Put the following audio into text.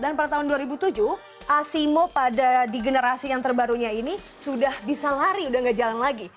dan pada tahun dua ribu tujuh asimo pada di generasi yang terbarunya ini sudah bisa lari sudah nggak jalan lagi